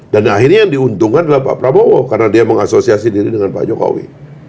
dan akhirnya yang diuntungkan adalah pak prabowo karena dia mengasosiasi diri dengan pak jokowi